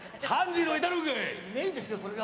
いねえんですよ、それが。